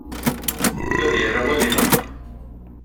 Ula d yir awal ineqq.